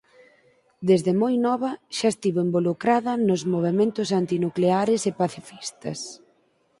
Desde moi nova xa estivo involucrada nos movementos antinucleares e pacifistas.